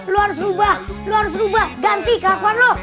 lu harus ubah lu harus ubah ganti kakak lu